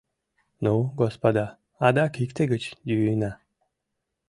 Ну, господа, адак икте гыч йӱына.